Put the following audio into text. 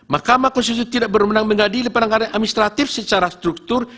mahkamah konstitusi tidak berwenang mengadili penanganan administratif secara struktur